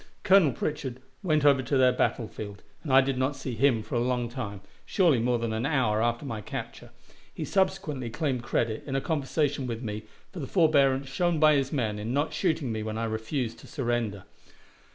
Colonel Pritchard went over to their battle field, and I did not see him for a long time, surely more than an hour after my capture. He subsequently claimed credit, in a conversation with me, for the forbearance shown by his men in not shooting me when I refused to surrender.